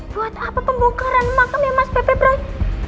buat apa pembongkaran makam ya mas pepe roy